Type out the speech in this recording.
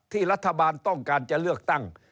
รัฐบาลต้องการจะเลือกตั้ง